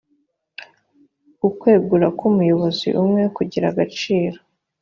ukwegura k umuyobozi umwe kugira agaciro